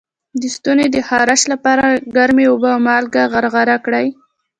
د ستوني د خارش لپاره ګرمې اوبه او مالګه غرغره کړئ